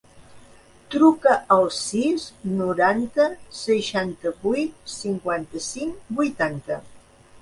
Truca al sis, noranta, seixanta-vuit, cinquanta-cinc, vuitanta.